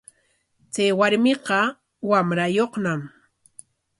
Chay warmiqa wamrayuqñam.